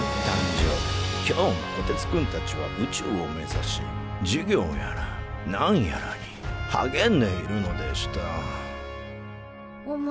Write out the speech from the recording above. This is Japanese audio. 今日もこてつくんたちは宇宙を目指し授業やら何やらにはげんでいるのでしたおもしろかったね